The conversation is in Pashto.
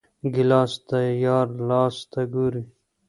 ګیلاس د یار لاس ته ګوري.